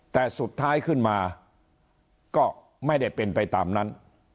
แต่สุดท้ายขึ้นมาก็ไม่ได้เป็นไปตามนั้น